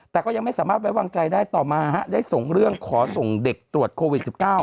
แต่ก็ยังไม่สามารถไว้วางใจได้ต่อมาได้ส่งเรื่องขอส่งเด็กตรวจโควิด๑๙